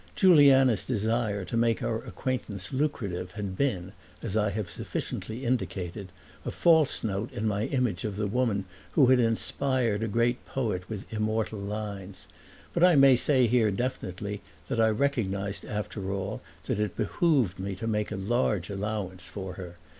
Juliana's desire to make our acquaintance lucrative had been, as I have sufficiently indicated, a false note in my image of the woman who had inspired a great poet with immortal lines; but I may say here definitely that I recognized after all that it behooved me to make a large allowance for her.